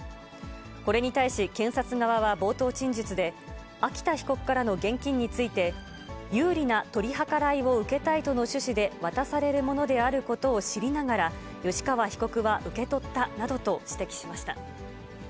これに対し、検察側は冒頭陳述で、秋田被告からの現金について、有利な取り計らいを受けたいとの趣旨で渡されるものであることを知りながら、吉川被告は受け取ったなどと指摘しました。